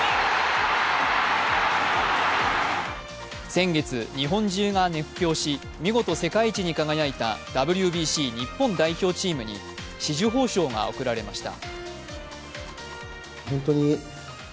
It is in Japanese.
先月、日本中が熱狂し見事、世界一に輝いたＷＢＣ日本代表チームに紫綬褒章が贈られました。